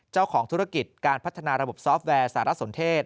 เจ้าของธุรกิจการพัฒนาระบบซอฟต์แวร์สารสนเทศ